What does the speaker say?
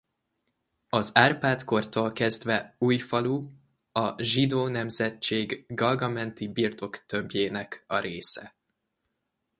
Az Árpád-kortól kezdve Újfalu a Zsidó nemzetség Galga menti birtok tömbjének a része.